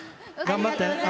頑張って。